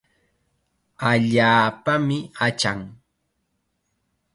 Allaapami achan.